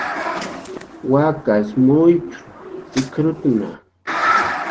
"Wakas muyp""r ikrutna"